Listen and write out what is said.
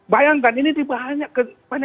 bayangkan ini di banyak institusi ya